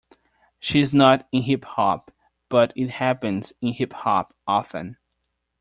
She's not in hip-hop, but it happens in hip-hop often.